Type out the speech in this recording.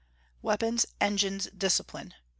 WEAPONS, ENGINES, DISCIPLINE.